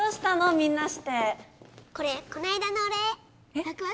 みんなしてこれこの間のお礼えっ？